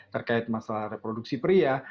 terkait masalah reproduksi pria